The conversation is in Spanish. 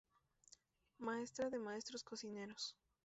Maestra de maestros cocineros.